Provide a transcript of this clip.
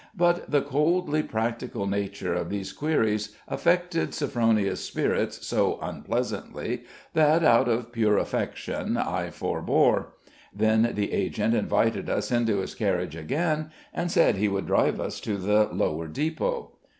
But the coldly practical nature of these queries affected Sophronia's spirits so unpleasantly, that, out of pure affection, I forebore. Then the agent invited us into his carriage again, and said he would drive us to the lower depot.